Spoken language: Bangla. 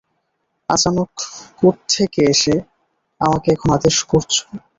আচানক কোত্থেকে এসে আমাকে এখন আদেশ করছ!